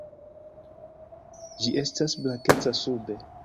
Ĝi estas blankeca sube.